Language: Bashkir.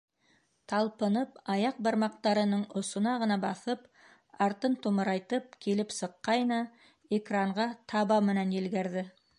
Талпынып, аяҡ бармаҡтарының осона ғына баҫып, артын тумырайтып килеп сыҡҡайны - экранға таба менән елгәрҙе.